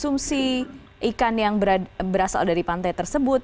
mereka mengonsumsi ikan yang berasal dari pantai tersebut